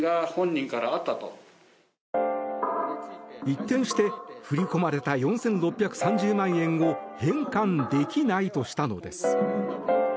一転して振り込まれた４６３０万円を返還できないとしたのです。